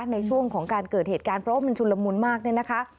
ในช่วงของการเกิดเหตุการณ์เพราะว่ามันชุนละมุนมากเนี่ยนะคะ